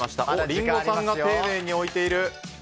リンゴさんが丁寧に置いている。